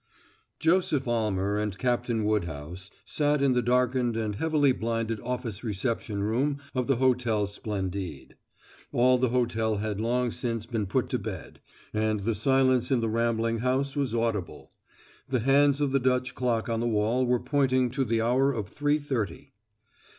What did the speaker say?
Joseph Almer and Captain Woodhouse sat in the darkened and heavily blinded office reception room of the Hotel Splendide. All the hotel had long since been put to bed, and the silence in the rambling house was audible. The hands of the Dutch clock on the wall were pointing to the hour of three thirty.